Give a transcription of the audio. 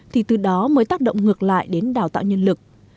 thì từ đó mới tác động ngược lại đến đào tạo nhân lực